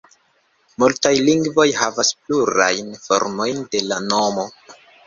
Multaj lingvoj havas plurajn formojn de la nomo.